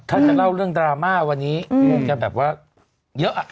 ถ้าจะเล่าเรื่องดราม่าวันนี้คงจะแบบว่าเยอะอ่ะ